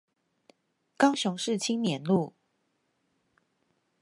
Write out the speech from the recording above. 高雄市青年路